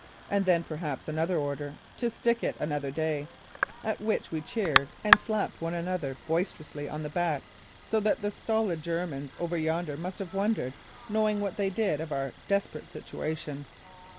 And then perhaps another order to stick it another day; at which we cheered and slapped one another boisterously on the back so that the stolid Germans over yonder must have wondered, knowing what they did of our desperate situation.